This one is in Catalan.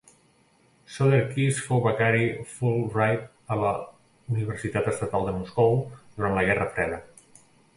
Soderquist fou becari Fulbright a la Universitat Estatal de Moscou durant la guerra freda.